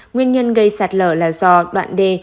nguyên nhân gây sát lờ là do đoạn đê